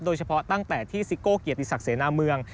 โดยเฉพาะตั้งแต่ที่ซิโก้เกียรติศักดิ์เสนามือง